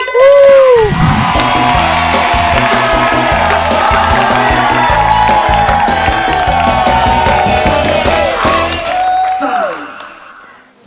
สุดยอด